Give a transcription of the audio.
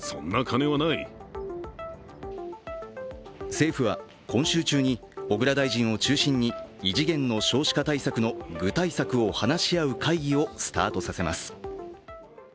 政府は今週中に小倉大臣を中心に異次元の少子化対策の具体策を話し合う会議をスタートさせます。